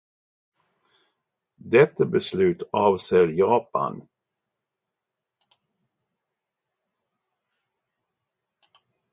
Detta beslut avser Japan.